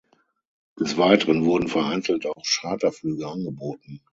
Des Weiteren wurden vereinzelt auch Charterflüge angeboten.